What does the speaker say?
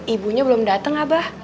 ibunya belum dateng abah